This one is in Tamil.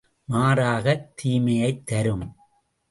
மாறாகத் தீமையைத் தரும்.